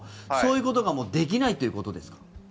そういうことがもうできないということですか？